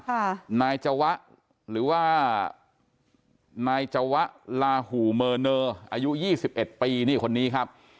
นายจวะหรือว่านายจวะลาหูเมอร์เนอร์อายุยี่สิบเอ็ดปีนี่คนนี้ครับ